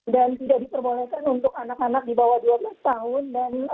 dan tidak diperbolehkan untuk anak anak di bawah dua belas tahun